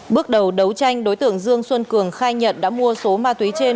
bước đầu đấu tranh đối tượng dương xuân cường khai nhận đã mua số ma túy trên